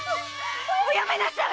おやめなさい！